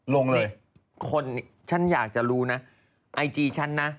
ลงเลยคนฉันอยากจะรู้นะไอจีฉันนะ